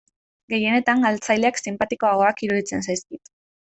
Gehienetan galtzaileak sinpatikoagoak iruditzen zaizkit.